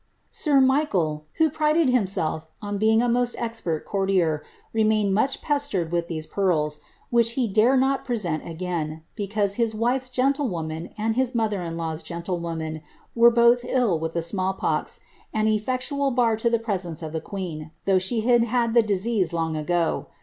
"' Sir Michael, who prided bin being a most expert courtier, remained much pestered with these which he dared nol present again, because his wife's gcnilewon his molher in law's gentlewoman were both ill with the small clTeciual bar to the presence of the queen, though she had had ease long ago.